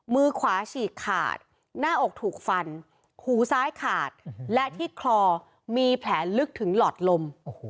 มือขวาฉีกขาดหน้าอกถูกฟันหูซ้ายขาดและที่คลอมีแผลลึกถึงหลอดลม